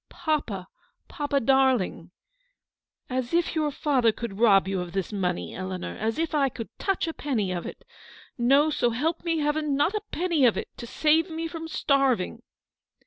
" Papa, papa, darling !"" As if your father could rob you of this money, Eleanor ; as if I could touch a penny of it. No, so help me, Heaven ! not a penny of it to save me from starving."